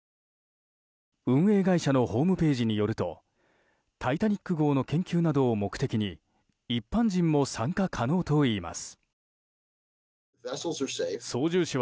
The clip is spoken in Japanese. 運営会社のホームページによると「タイタニック号」の研究などを目的に一般人も参加可能といいます。